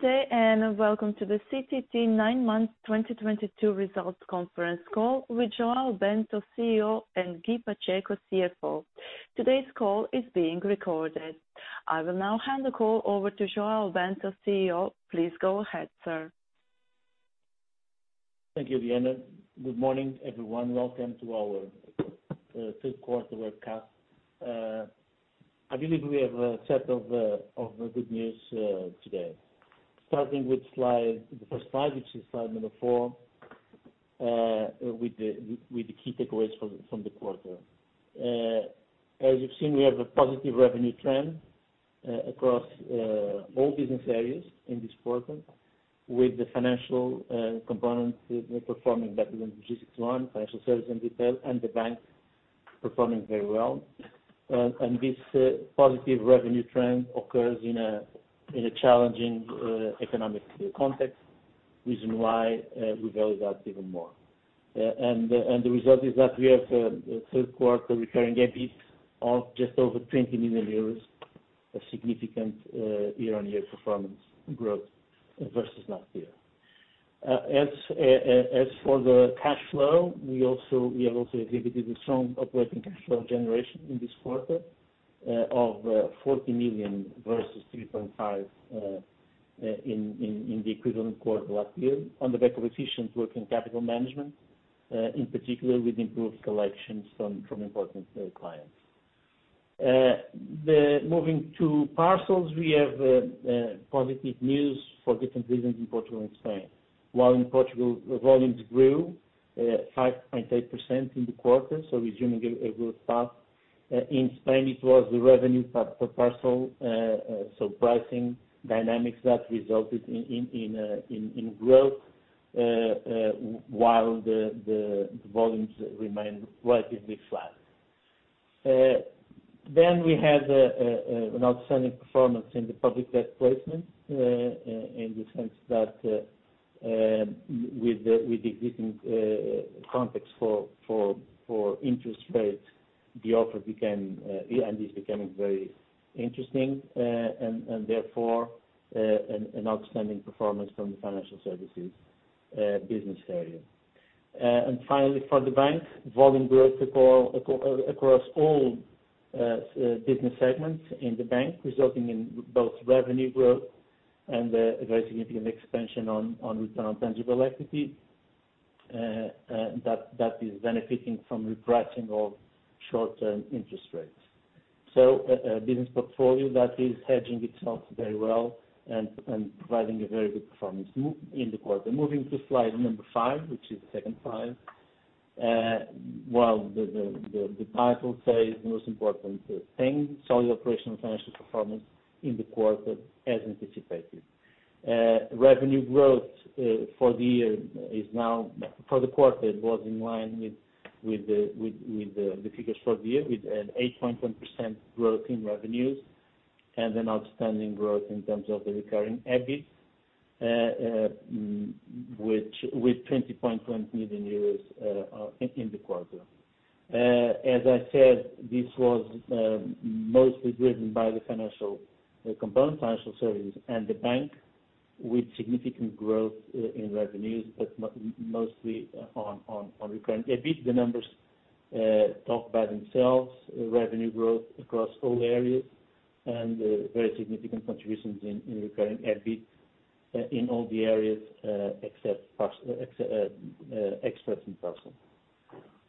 Good day, and welcome to the CTT Ninth Month 2022 Results Conference Call with João Bento, CEO, and Guy Pacheco, CFO. Today's call is being recorded. I will now hand the call over to João Bento, CEO. Please go ahead, sir. Thank you, Diana. Good morning, everyone. Welcome to our 3rd quarter webcast. I believe we have a set of good news today. Starting with the first slide, which is slide 4, with the key takeaways from the quarter. As you've seen, we have a positive revenue trend across all business areas in this quarter with the financial component performing better than logistics one, financial services and retail, and the bank performing very well. This positive revenue trend occurs in a challenging economic context, reason why we value that even more. The result is that we have a 3rd quarter recurring EBIT of just over 20 million euros, a significant year-on-year performance growth versus last year. As for the cash flow, we have also exhibited a strong operating cash flow generation in this quarter of 40 million versus 3.5 million in the equivalent quarter last year on the back of efficient working capital management, in particular with improved collections from important clients. Moving to parcels, we have positive news for different reasons in Portugal and Spain. While in Portugal, volumes grew 5.8% in the quarter, so resuming a growth path. In Spain, it was the revenue per parcel, so pricing dynamics that resulted in growth, while the volumes remained relatively flat. We had an outstanding performance in the public debt placement, in the sense that, with the existing context for interest rates, the offer became and is becoming very interesting, and therefore, an outstanding performance from the financial services business area. Finally, for the bank, volume growth across all business segments in the bank, resulting in both revenue growth and a very significant expansion on Return on Tangible Equity, that is benefiting from repricing of short-term interest rates. Business portfolio that is hedging itself very well and providing a very good performance in the quarter. Moving to slide 5, which is the second slide, the title says the most important thing, solid operational financial performance in the quarter as anticipated. Revenue growth for the quarter was in line with the figures for the year with an 8.1% growth in revenues and an outstanding growth in terms of the recurring EBIT, which with 20.1 million euros in the quarter. As I said, this was mostly driven by the financial component, financial services and the bank with significant growth in revenues, but mostly on recurring EBIT. The numbers talk by themselves, revenue growth across all areas and very significant contributions in recurring EBIT in all the areas except parcel, express and parcel.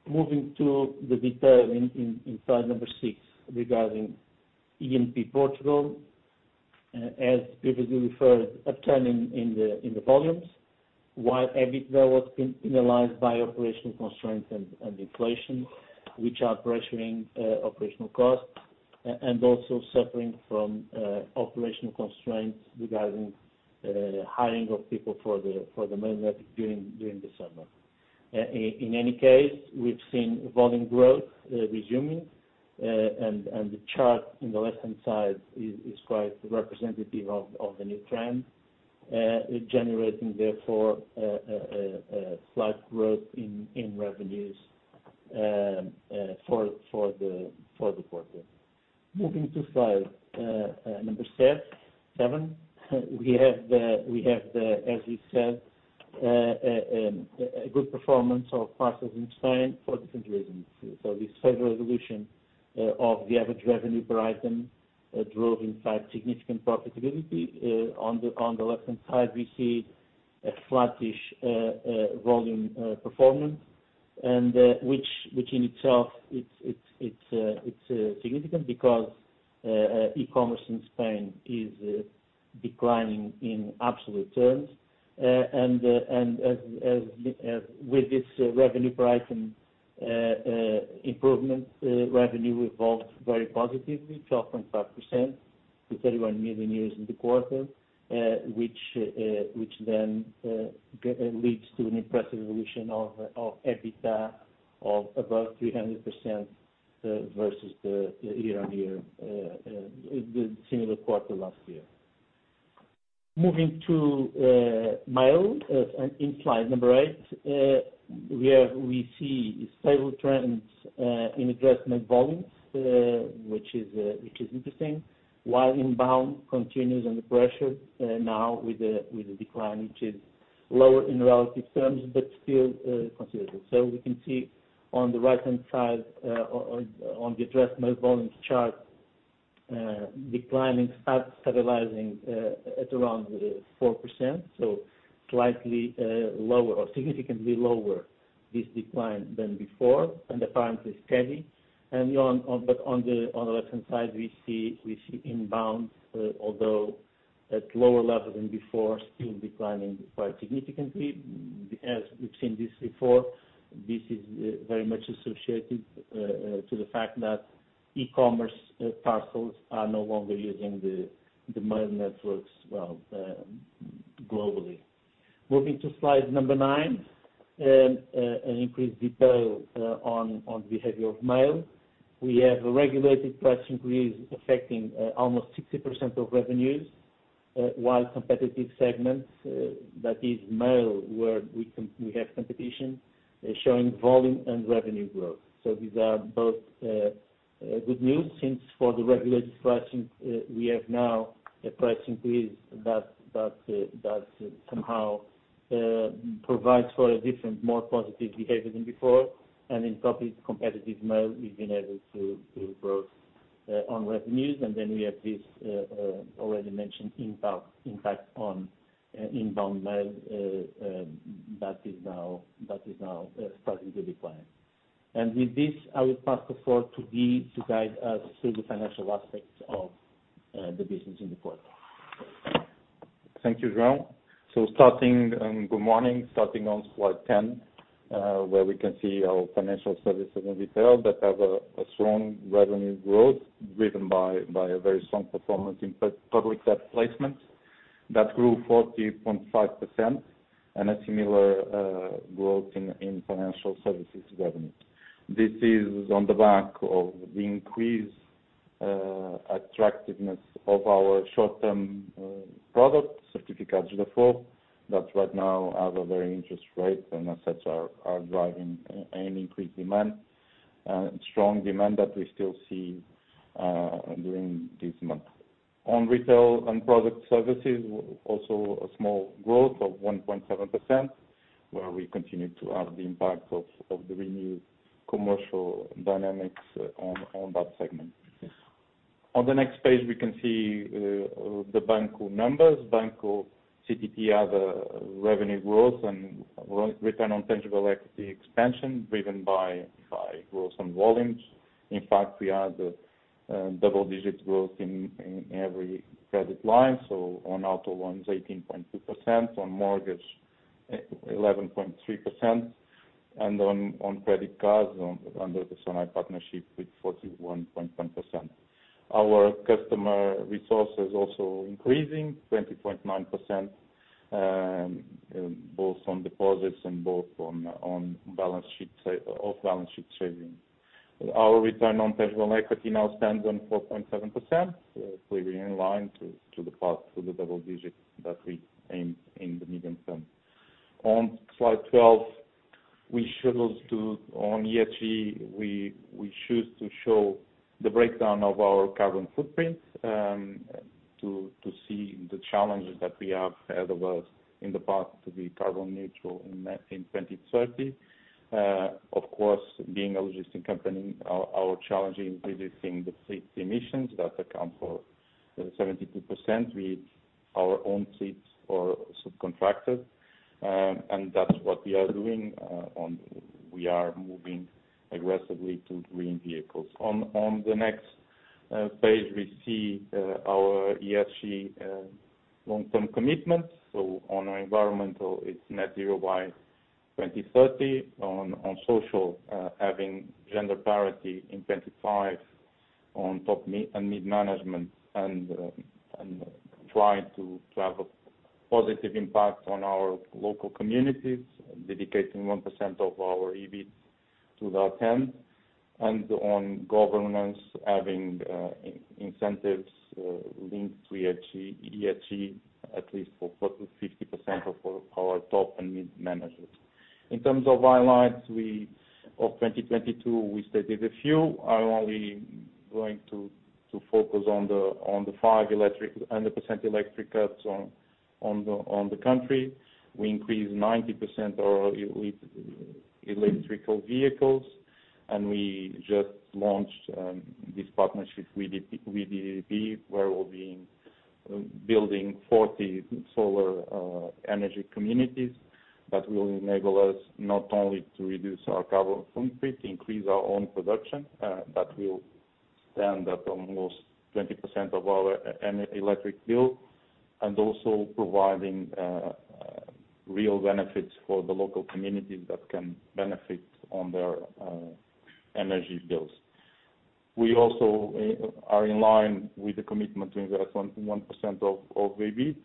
Moving to the detail in slide 6, regarding E&P Portugal, as previously referred, a turn in the volumes, while EBIT, though, was penalized by operational constraints and inflation, which are pressuring operational costs and also suffering from operational constraints regarding hiring of people for the main event during the summer. In any case, we've seen volume growth resuming and the chart on the left-hand side is quite representative of the new trend generating therefore a slight growth in revenues for the quarter. Moving to slide 7, we have the, as we said, a good performance of parcels in Spain for different reasons. The sales evolution of the average revenue per item drove in fact significant profitability. On the left-hand side, we see a flattish volume performance and which in itself it's significant because e-commerce in Spain is declining in absolute terms. As with this revenue per item improvement, revenue evolved very positively, 12.5% to 31 million euros in the quarter, which then leads to an impressive evolution of EBITDA of above 300% versus the year-on-year similar quarter last year. Moving to mail in slide 8, where we see stable trends in addressed mail volumes, which is interesting, while inbound continues under pressure, now with the decline, which is lower in relative terms, but still considerable. We can see on the right-hand side, on the addressed mail volumes chart, decline starting to stabilize at around 4%. Slightly lower or significantly lower this decline than before, and apparently steady. But on the left-hand side, we see inbound, although at lower levels than before, still declining quite significantly. As we've seen this before, this is very much associated to the fact that e-commerce parcels are no longer using the mail networks globally. Moving to slide 9, an increased detail on the behavior of mail. We have a regulated price increase affecting almost 60% of revenues, while competitive segments, that is mail where we have competition, is showing volume and revenue growth. These are both good news since for the regulated pricing, we have now a price increase that somehow provides for a different, more positive behavior than before. In probably competitive mail, we've been able to grow revenues. Then we have this already mentioned impact on inbound mail that is now starting to decline. With this, I will pass the floor to Guy to guide us through the financial aspects of the business in the quarter. Thank you, João. Good morning. Starting on slide 10, where we can see our Financial Services & Retail that have a strong revenue growth driven by a very strong performance in Public Debt Placements that grew 40.5% and a similar growth in financial services revenue. This is on the back of the increased attractiveness of our short-term product, Certificados de Aforro, that right now have a very attractive interest rate, and as such are driving an increased demand, strong demand that we still see during this month. On retail and product services, also a small growth of 1.7%, where we continue to have the impact of the renewed commercial dynamics on that segment. On the next page, we can see the Banco CTT numbers. Banco CTT has a revenue growth and return on tangible equity expansion driven by growth on volumes. In fact, we have double-digit growth in every credit line. On auto loans, 18.2%, on mortgage, 11.3%, and on credit cards under the Sonae partnership with 41.1%. Our customer resources also increasing 20.9%, both on deposits and both on balance sheet off balance sheet savings. Our return on tangible equity now stands on 4.7%, clearly in line to the path to the double digits that we aim in the medium term. On slide 12, we choose to show the breakdown of our carbon footprint on ESG, to see the challenges that we have ahead of us in the path to be carbon neutral in 2030. Of course, being a logistics company, our challenge in reducing the fleet emissions that accounts for 72% with our own fleets or subcontractors. That's what we are doing, we are moving aggressively to green vehicles. On the next page, we see our ESG long-term commitments. On our environmental, it's net zero by 2030. On social, having gender parity in 2025 on top and mid-management, and trying to have a positive impact on our local communities, dedicating 1% of our EBIT to that end. On governance, having incentives linked to ESG at least for 50% of our top and mid-managers. In terms of highlights of 2022, we stated a few. I only going to focus on the five 100% electric hubs on the country. We increased 90% our electrical vehicles, and we just launched this partnership with EDP, where we'll be building 40 solar energy communities that will enable us not only to reduce our carbon footprint, increase our own production that will stand at almost 20% of our electric bill, and also providing real benefits for the local communities that can benefit on their energy bills. We also are in line with the commitment to invest 1% of EBIT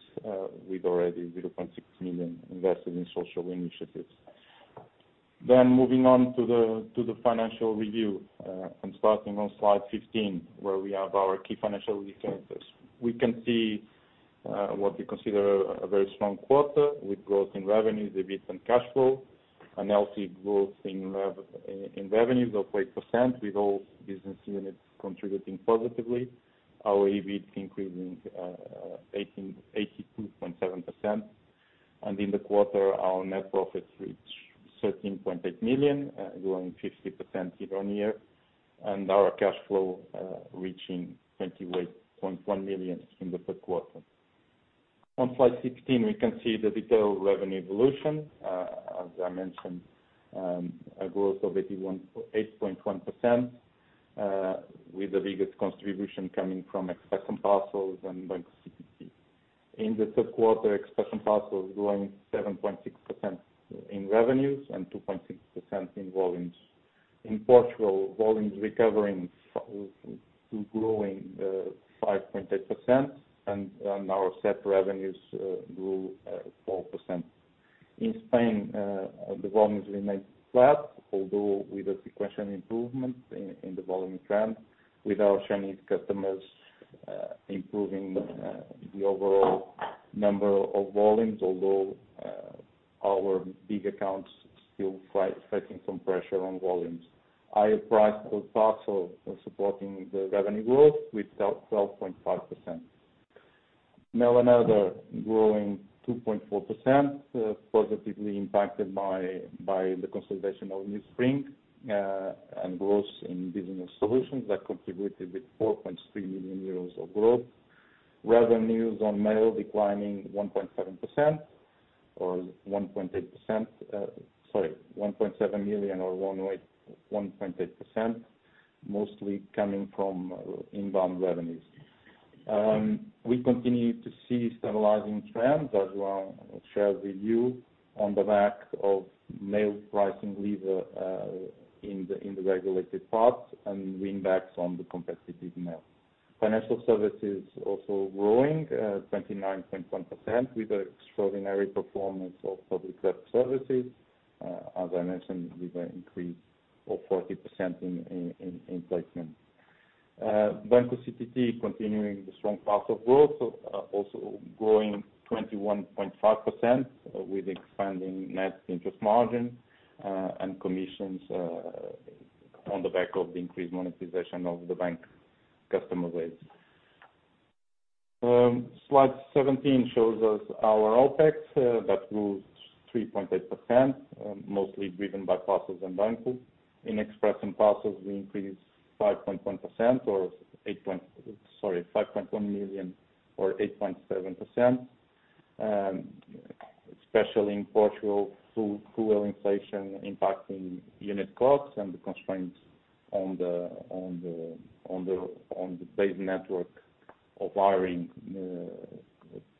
with already 0.6 million invested in social initiatives. Moving on to the financial review and starting on slide 15, where we have our key financial details. We can see what we consider a very strong quarter with growth in revenues, EBIT, and cash flow. Healthy growth in revenues of 8% with all business units contributing positively. Our EBIT increasing 82.7%. In the quarter, our net profits reached 13.8 million growing 50% year-on-year. Our cash flow reaching 28.1 million in the 3rd quarter. On slide 16, we can see the detailed revenue evolution. As I mentioned, a growth of 8.1%, with the biggest contribution coming from Express & Parcels and Banco CTT. In the 3rd quarter, Express & Parcels growing 7.6% in revenues and 2.6% in volumes. In Portugal, volumes recovering to growing 5.8%. Our SEP revenues grew 4%. In Spain, the volumes remained flat, although with a sequential improvement in the volume trend with our Chinese customers improving the overall number of volumes. Although our big accounts still fighting some pressure on volumes. Higher price per parcel are supporting the revenue growth with 12.5%. Mail & Other growing 2.4%, positively impacted by the consolidation of NewSpring, and growth in Business Solutions that contributed with 4.3 million euros of growth. Revenues on mail declining 1.7% or 1.8%. Sorry, 1.7 million or 1.8%, mostly coming from inbound revenues. We continue to see stabilizing trends as well, share with you on the back of mail pricing lever in the regulated parts and win backs on the competitive mail. Financial services also growing 29.1% with extraordinary performance of Public Debt Placements. As I mentioned, with an increase of 40% in placements. Banco CTT continuing the strong path of growth, also growing 21.5% with expanding net interest margin and commissions on the back of the increased monetization of the bank customer base. Slide 17 shows us our OpEx that grew 3.8%, mostly driven by Parcels and Banco. In Express and Parcels, we increased EUR 5.1 million or 8.7%. Especially in Portugal, fuel inflation impacting unit costs and the constraints on the base network of hiring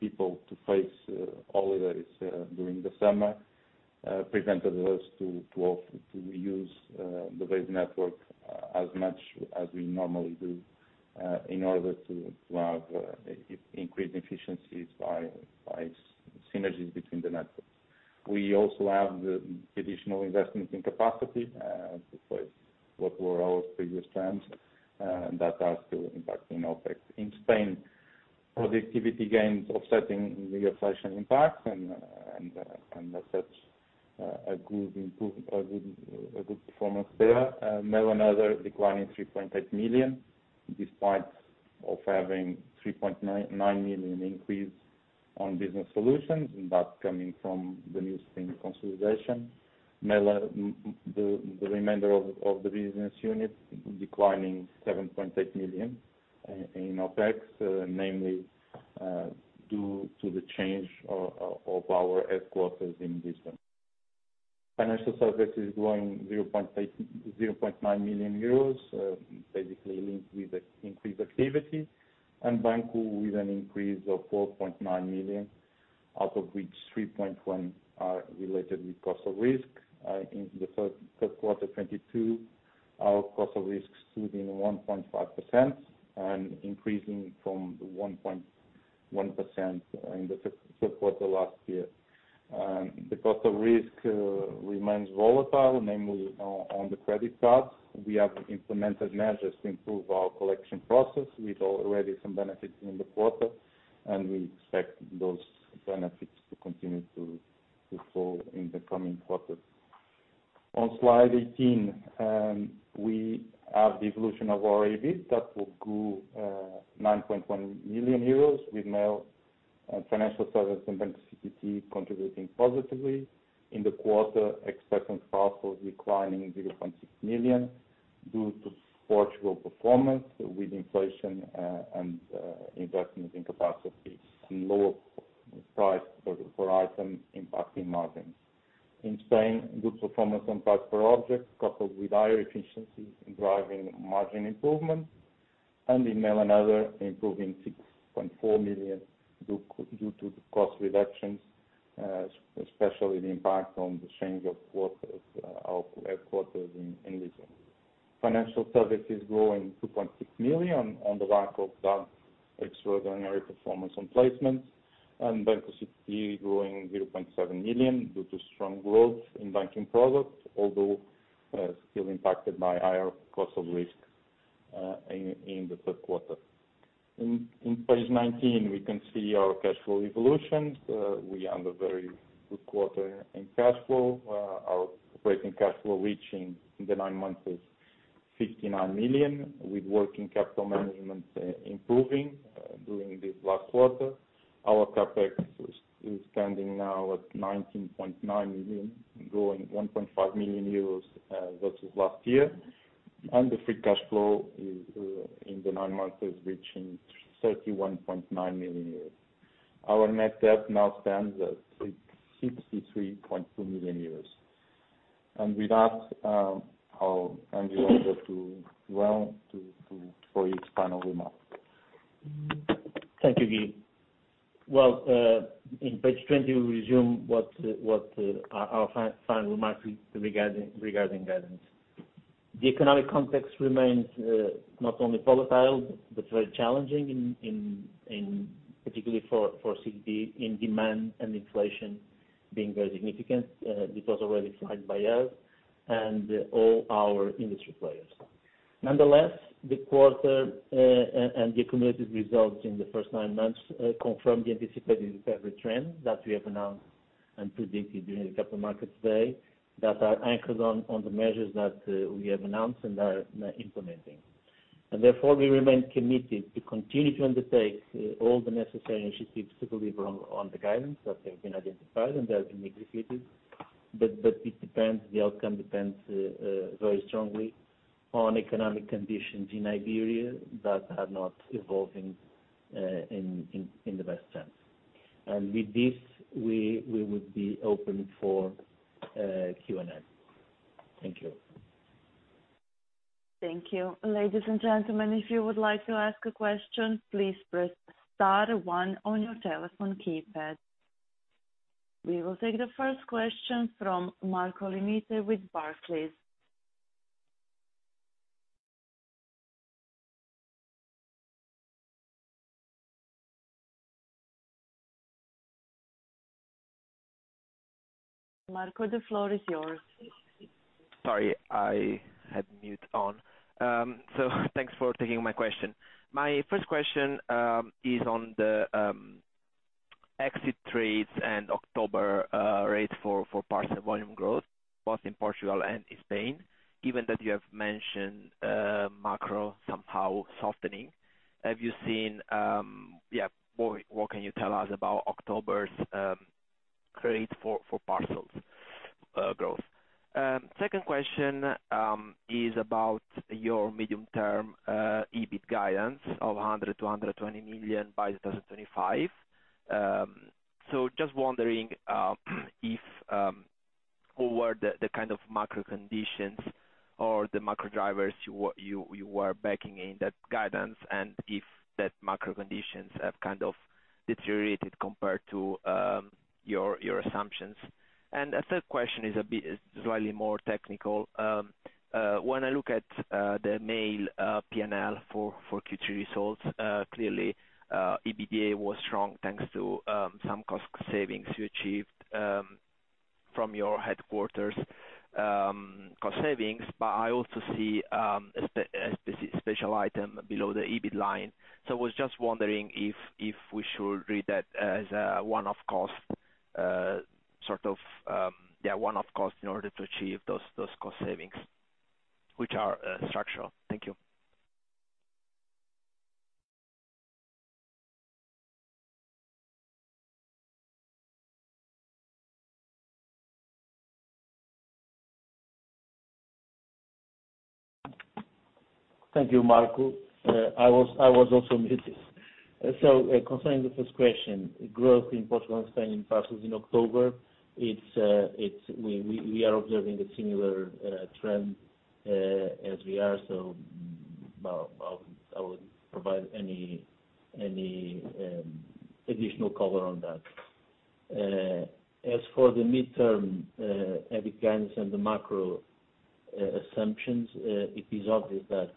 people to face holidays during the summer prevented us to use the base network as much as we normally do in order to have increased efficiencies by synergies between the networks. We also have the additional investments in capacity to replace what were our previous trends that are still impacting OpEx. In Spain, productivity gains offsetting the inflation impact and as such a good performance there. Mail & Other declining 3.8 million, despite of having 3.9 million increase on Business Solutions, and that's coming from the NewSpring consolidation. The remainder of the business unit declining 7.8 million in OpEx, mainly due to the change of our headquarters in Lisbon. Financial Services growing 0.9 million euros, basically linked with the increased activity. Banco with an increase of 4.9 million, out of which 3.1 million are related with Cost of Risk. In the 3rd quarter 2022, our cost of risk stood at 1.5% and increasing from the 1.1% in the 3rd quarter last year. The cost of risk remains volatile, mainly on the credit cards. We have implemented measures to improve our collection process with already some benefits in the quarter, and we expect those benefits to continue to flow in the coming quarters. On slide 18, we have the evolution of our EBIT that grew 9.1 million euros with Mail and Financial Services and Banco CTT contributing positively. In the quarter, Express and Parcels declining 0.6 million due to Portugal performance with inflation, and investments in capacities and lower price per item impacting margins. In Spain, good performance on price per object coupled with higher efficiencies driving margin improvement. In Mail & Other, improving 6.4 million due to the cost reductions, especially the impact of the change of headquarters in Lisbon. Financial Services growing 2.6 million on the back of the extraordinary performance on placements. Banco CTT growing 0.7 million due to strong growth in banking products, although still impacted by higher cost of risk in the 3rd quarter. In page 19, we can see our cash flow evolution. We had a very good quarter in cash flow. Our operating cash flow reaching 59 million in the nine months, with working capital management improving during this last quarter. Our CapEx is standing now at 19.9 million, growing 1.5 million euros versus last year. The free cash flow is, in the nine months, reaching 31.9 million euros. Our net debt now stands at 663.2 million euros. With that, I'll hand you over to João for his final remarks. Thank you, Guy. Well, in page 20, we review our final remarks regarding guidance. The economic context remains not only volatile but very challenging in particular for parcel demand and inflation being very significant, it was already flagged by us and all our industry players. Nonetheless, the quarter and the cumulative results in the first nine months confirm the anticipated recovery trend that we have announced and predicted during the Capital Markets Day that are anchored on the measures that we have announced and are implementing. Therefore, we remain committed to continue to undertake all the necessary initiatives to deliver on the guidance that have been identified and have been reiterated. It depends, the outcome depends very strongly on economic conditions in Iberia that are not evolving in the best sense. With this, we would be open for Q&A. Thank you. Thank you. Ladies and gentlemen, if you would like to ask a question, please press star one on your telephone keypad. We will take the first question from Marco Limite with Barclays. Marco, the floor is yours. Sorry, I had mute on. Thanks for taking my question. My first question is on the Q4 trends and October rates for parcel volume growth, both in Portugal and in Spain. Given that you have mentioned macro somehow softening, have you seen what can you tell us about October's trends for parcels growth? Second question is about your medium-term EBIT guidance of 100 million-120 million by 2025. Just wondering if what were the kind of macro conditions or the macro drivers you were baking in that guidance and if that macro conditions have kind of deteriorated compared to your assumptions. A third question is slightly more technical. When I look at the mail P&L for Q3 results, clearly EBITDA was strong, thanks to some cost savings you achieved from your headquarters cost savings. I also see a special item below the EBIT line. I was just wondering if we should read that as a one-off cost, sort of, yeah, one-off cost in order to achieve those cost savings, which are structural. Thank you. Thank you, Marco. I was also muted. Concerning the first question, growth in Portugal and Spain in parcels in October, it's we are observing a similar trend as we are. Well, I wouldn't provide any additional color on that. As for the midterm, EBIT guidance and the macro assumptions, it is obvious that,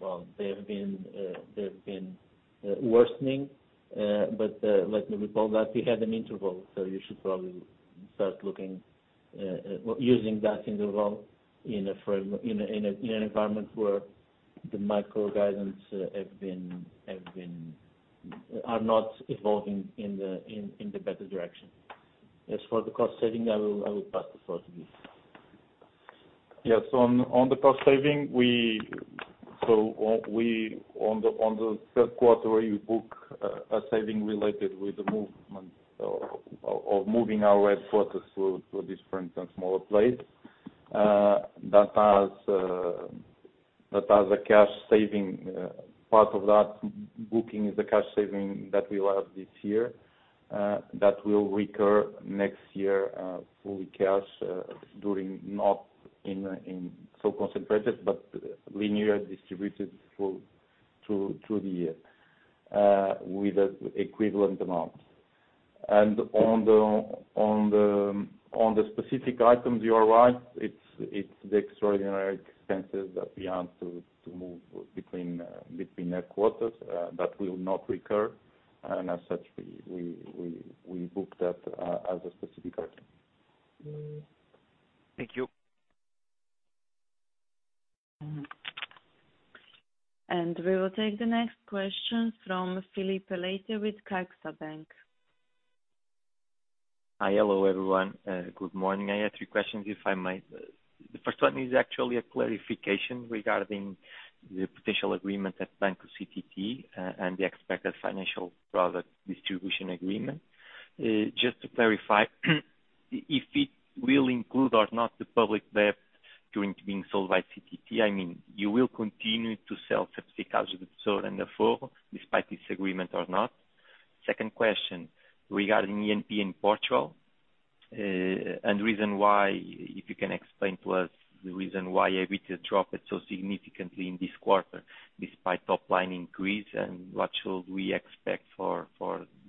well, they have been worsening. Let me recall that we had an interval. You should probably start looking using that interval in a frame, in an environment where the micro guidance have been are not evolving in the better direction. As for the cost saving, I will pass the floor to Guy. Yes. On the cost saving, so on the 3rd quarter, we book a saving related with the movement or moving our headquarters to this, for instance, smaller place that has a cash saving. Part of that booking is the cash saving that we will have this year that will recur next year, fully cash during not in so concentrated but linear distributed through the year with an equivalent amount. On the specific items, you are right. It's the extraordinary expenses that we had to move between headquarters that will not recur. As such, we book that as a specific item. Thank you. We will take the next question from Filipe Leite with CaixaBank BPI. Hi, hello everyone. Good morning. I have three questions if I might. The first one is actually a clarification regarding the potential agreement at Banco CTT, and the expected financial product distribution agreement. Just to clarify, if it will include or not the public debt going to be sold by CTT, I mean, you will continue to sell despite this agreement or not? Second question, regarding E&P in Portugal, the reason why, if you can explain to us the reason why EBIT dropped so significantly in this quarter despite top line increase, and what should we expect for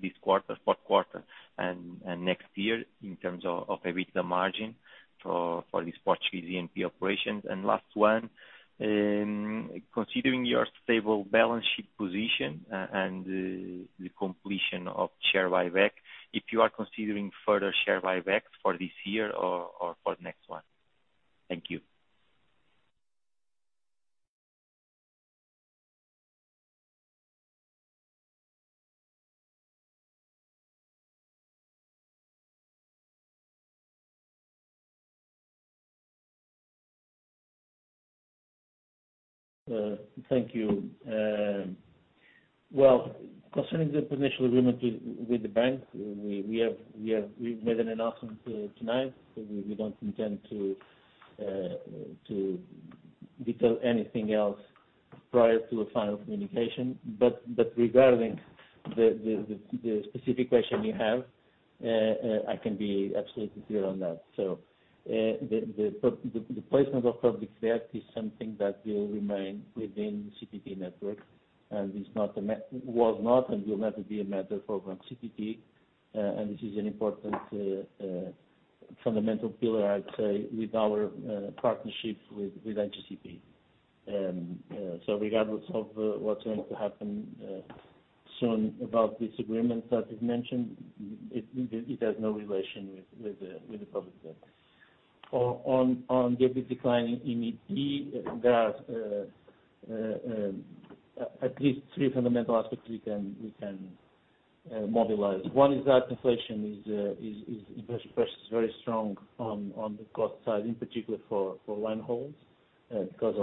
this quarter, 4th quarter and next year in terms of EBIT margin for this Portuguese E&P operations? Last one, considering your stable balance sheet position, and the completion of share buyback, if you are considering further share buybacks for this year or for the next one? Thank you. Thank you. Well, concerning the potential agreement with the bank, we've made an announcement tonight. We don't intend to detail anything else prior to a final communication. Regarding the specific question you have, I can be absolutely clear on that. The placement of public debt is something that will remain within CTT network, and was not and will never be a matter for Banco CTT, and this is an important fundamental pillar, I'd say, with our partnership with IGCP. Regardless of what's going to happen soon about this agreement that you've mentioned, it has no relation with the public debt. On the EBIT decline in E&P, there are at least three fundamental aspects we can mobilize. One is that inflation is very strong on the cost side, in particular for line-hauls, because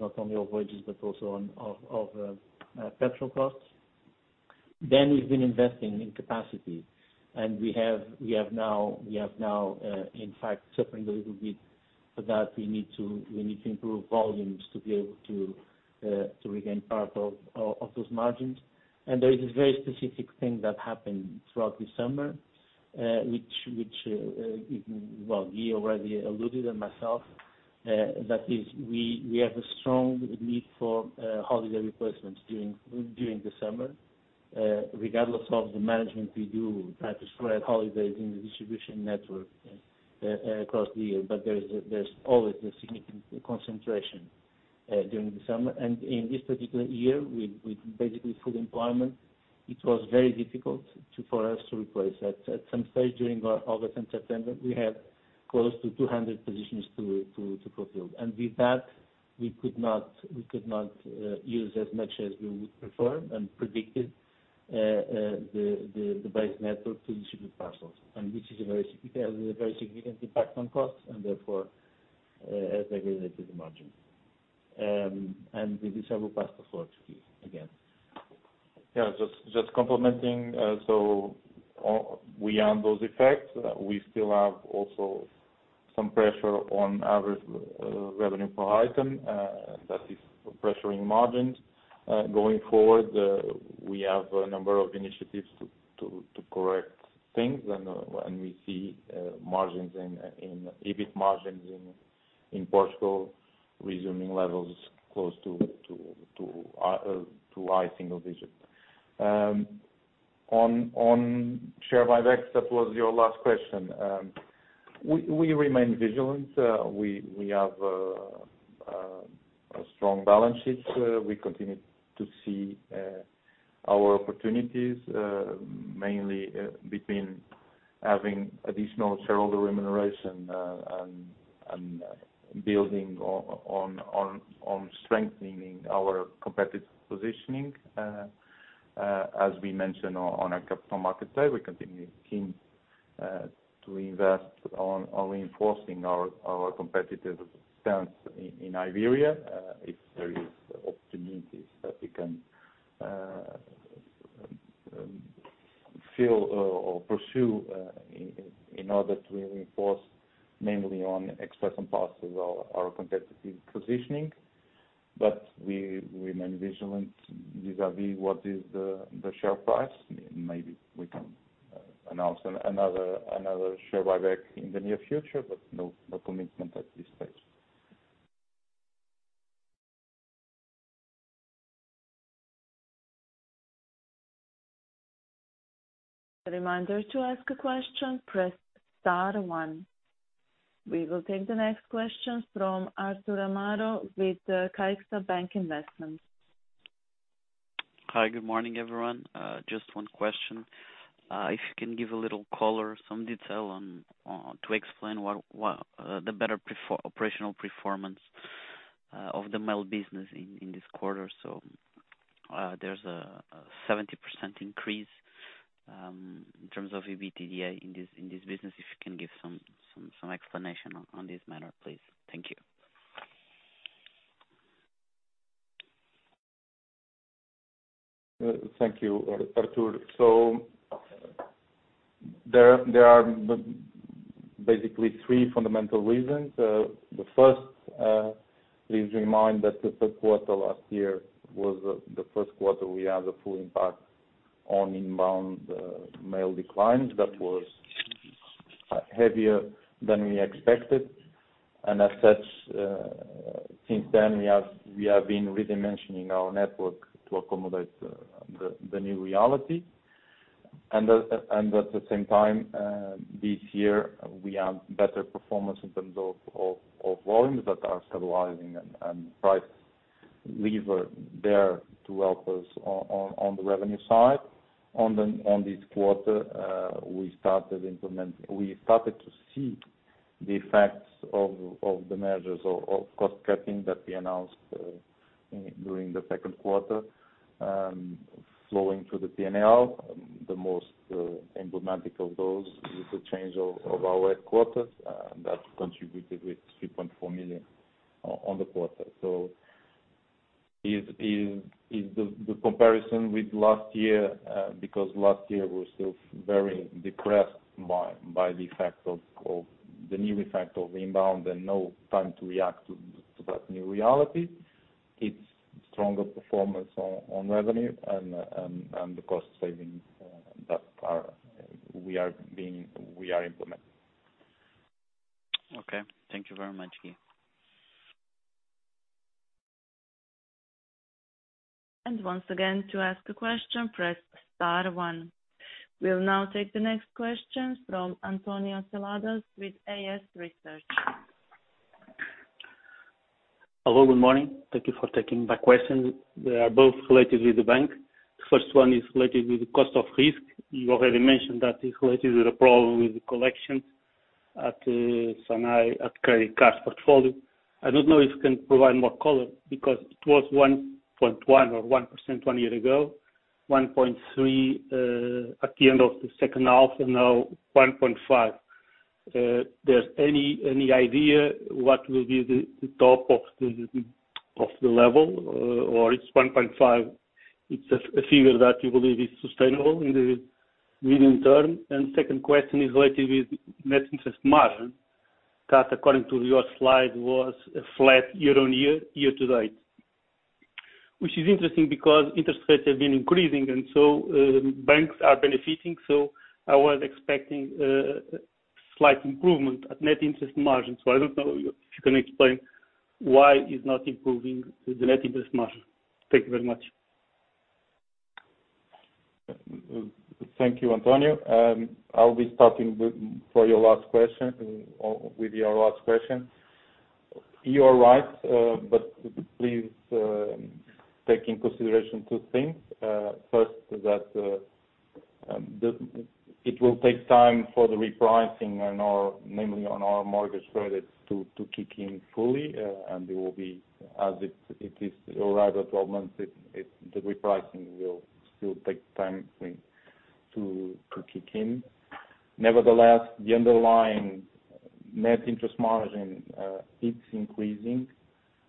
not only of wages, but also of petrol costs. We've been investing in capacity. We have now in fact suffering a little bit for that. We need to improve volumes to be able to regain part of those margins. There is this very specific thing that happened throughout the summer, which even well Guy already alluded and myself, that is we have a strong need for holiday replacements during the summer. Regardless of the management we do, we try to spread holidays in the distribution network across the year. There is, there's always a significant concentration during the summer. In this particular year, with basically full employment, it was very difficult for us to replace. At some stage during our August and September, we had close to 200 positions to fulfill. With that, we could not use as much as we would prefer and predicted the base network to distribute parcels, and which is a very significant impact on costs and therefore, as I related the margin. With this I will pass to Guy again. Just complementing, so on, we earn those effects. We still have also some pressure on average revenue per item that is pressuring margins. Going forward, we have a number of initiatives to correct things and we see EBIT margins in Portugal resuming levels close to high single digit. On share buybacks, that was your last question. We remain vigilant. We have a strong balance sheet. We continue to see our opportunities mainly between having additional shareholder remuneration and building on strengthening our competitive positioning. As we mentioned on our Capital Markets Day, we continue keen to invest on reinforcing our competitive stance in Iberia, if there is opportunities that we can fill or pursue, in order to reinforce mainly on Express & Parcels our competitive positioning. We remain vigilant vis-à-vis what is the share price. Maybe we can announce another share buyback in the near future, but no commitment at this stage. Reminder to ask a question, press star one. We will take the next question from Artur Amaro with Caixa Banco de Investimento. Hi, good morning, everyone. Just one question. If you can give a little color, some detail on to explain what the better operational performance of the mail business in this quarter. There's a 70% increase in terms of EBITDA in this business. If you can give some explanation on this matter, please. Thank you. Thank you, Artur. There are basically three fundamental reasons. The first, please remind that the 1st quarter last year was the 1st quarter we had a full impact on inbound mail declines that was heavier than we expected. As such, since then we have been redimensioning our network to accommodate the new reality. At the same time, this year, we have better performance in terms of volumes that are stabilizing and price leverage there to help us on the revenue side. On this quarter, we started to see the effects of the measures of cost cutting that we announced during the 2nd quarter, flowing through the P&L. The most emblematic of those is the change of our headquarters that contributed with 3.4 million in the quarter. Is the comparison with last year because last year was still very depressed by the effect of the new effect of inbound and no time to react to that new reality. It's stronger performance on revenue and the cost savings that we are implementing. Okay. Thank you very much, Guy. Once again, to ask a question, press star one. We'll now take the next question from António Seladas with AS Independent Research. Hello, good morning. Thank you for taking my question. They are both related with the bank. The first one is related with the cost of risk. You already mentioned that it's related with the problem with the collection at Sonae, at Universo Card portfolio. I don't know if you can provide more color because it was 1.1$ or 1% one year ago, 1.3% at the end of the 2nd half, and now 1.5%. Is there any idea what will be the top of the level, or it's 1.5%, it's a figure that you believe is sustainable in the medium term? Second question is related with net interest margin, that according to your slide, was flat year-on-year year-to-date. Which is interesting because interest rates have been increasing, and so, banks are benefiting. I was expecting slight improvement at Net Interest Margin. I don't know if you can explain why it's not improving the Net Interest Margin. Thank you very much. Thank you, António. I'll start with your last question. You are right, but please take into consideration two things. First is that it will take time for the repricing, mainly on our mortgage credits to kick in fully, and it will be as it is rather 12 months. It's the repricing will still take time to kick in. Nevertheless, the underlying net interest margin is increasing,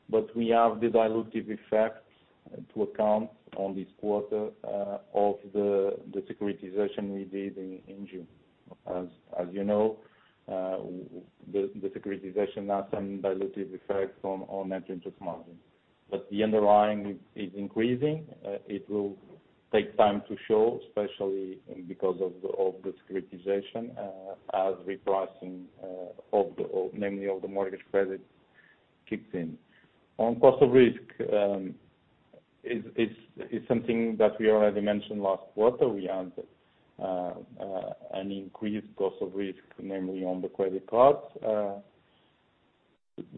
but we have the dilutive effects to account for this quarter of the securitization we did in June. As you know, the securitization has some dilutive effects on net interest margin. But the underlying is increasing. It will take time to show, especially because of the securitization as repricing mainly of the mortgage credit kicks in. On cost of risk, it's something that we already mentioned last quarter. We had an increased cost of risk, mainly on the credit cards,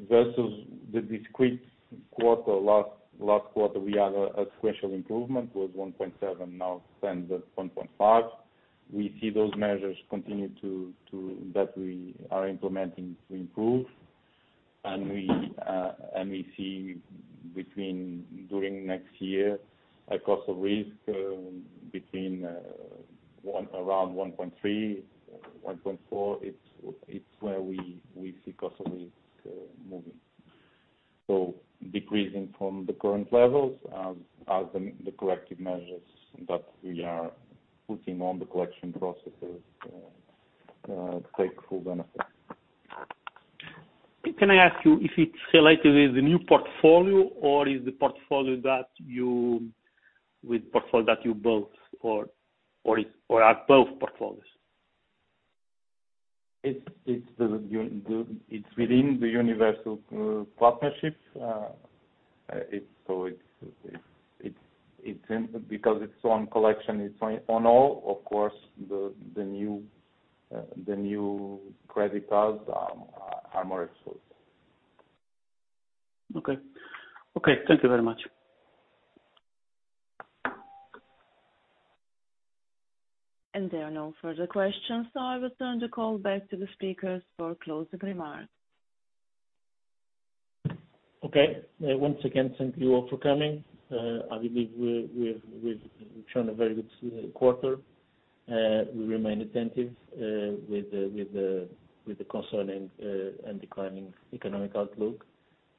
versus the previous quarter. Last quarter, we had a sequential improvement, was 1.7%, now stands at 1.5%. We see those measures that we are implementing continue to improve. We see during next year a cost of risk between around 1.3%-1.4%. It's where we see cost of risk moving. Decreasing from the current levels as the corrective measures that we are putting on the collection processes take full benefit. Can I ask you if it's related with the new portfolio or is the portfolio that you built or are both portfolios? It's within the Universo partnership. It's important because it's on collection, it's on all, of course, the new credit cards are more exposed. Okay. Okay, thank you very much. There are no further questions, so I return the call back to the speakers for closing remarks. Okay. Once again, thank you all for coming. I believe we've shown a very good quarter. We remain attentive with the concerning and declining economic outlook.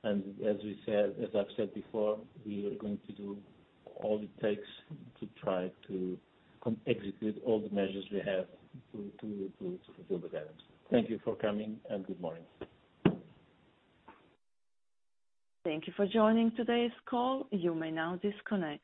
As we said, as I've said before, we are going to do all it takes to try to execute all the measures we have to fulfill the guidance. Thank you for coming, and good morning. Thank you for joining today's call. You may now disconnect.